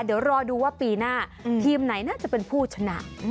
เดี๋ยวรอดูว่าปีหน้าทีมไหนน่าจะเป็นผู้ชนะ